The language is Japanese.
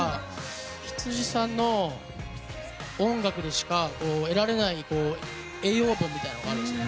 羊さんの音楽でしか得られない栄養分みたいなのがあるんですね。